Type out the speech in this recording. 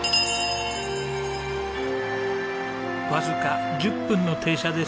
わずか１０分の停車です。